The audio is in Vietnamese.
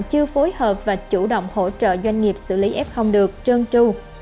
chưa phối hợp và chủ động hỗ trợ doanh nghiệp xử lý f được trơn tru